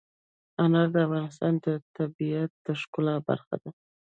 انار د افغانستان د طبیعت د ښکلا برخه ده.